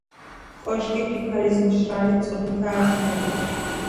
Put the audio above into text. კოშკი ფიქალის მშრალი წყობითაა აშენებული.